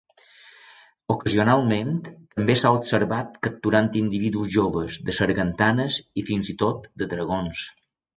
Ocasionalment també s'ha observat capturant individus joves de sargantanes i fins i tot de dragons.